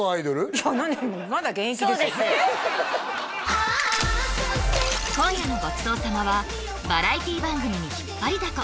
いや今夜のごちそう様はバラエティ番組に引っ張りだこ！